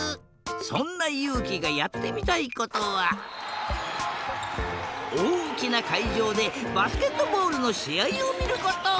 そんなゆうきがやってみたいことはおおきなかいじょうでバスケットボールのしあいをみること。